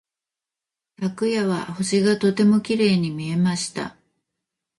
昨夜は星がとてもきれいに見えました。